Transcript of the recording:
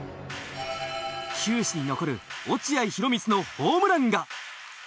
球史に残る落合博満のホームランが。